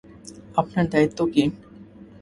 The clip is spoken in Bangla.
আপনার দায়িত্ব কী?